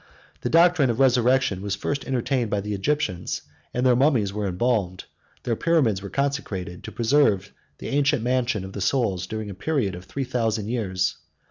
The doctrine of the resurrection was first entertained by the Egyptians; 106 and their mummies were embalmed, their pyramids were constructed, to preserve the ancient mansion of the soul, during a period of three thousand years.